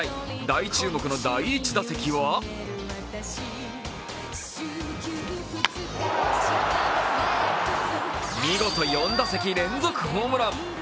大注目の第１打席は見事４打席連続ホームラン。